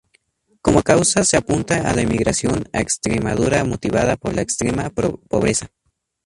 Como causa se apunta a la emigración a Extremadura motivada por la extrema pobreza.